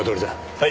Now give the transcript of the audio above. はい。